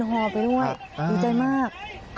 ดูใจมาก